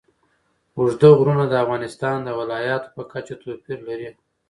اوږده غرونه د افغانستان د ولایاتو په کچه توپیر لري.